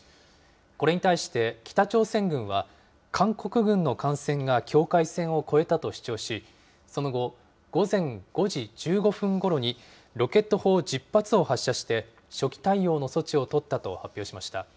これに対して北朝鮮軍は、韓国軍の艦船が境界線を越えたと主張し、その後、午前５時１５分ごろにロケット砲１０発を発射して初期対応の措置を取ったと発表しました。